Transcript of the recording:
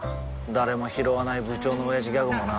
誰もひろわない部長のオヤジギャグもな